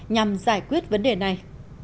nhằm giải quyết vấn đề này